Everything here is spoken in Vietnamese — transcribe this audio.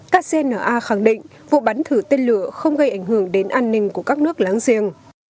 kcna khẳng định vụ bắn thử tên lửa không gây ảnh hưởng đến an ninh của các nước láng giềng